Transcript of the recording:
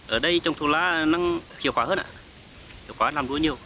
ở đây trồng thuốc lá nó khiều khóa hơn ạ khiều khóa làm lúa nhiều